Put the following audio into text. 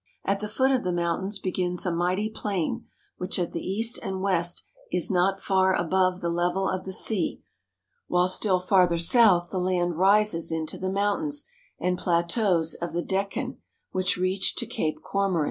At the foot of the mountains begins a mighty plain which at the east and west is not far above the level of the sea, while still farther south the land rises into the mountains and plateaus of the Dekkan which reach to Cape Comorin.